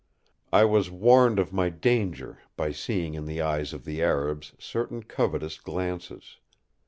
I was warned of my danger by seeing in the eyes of the Arabs certain covetous glances.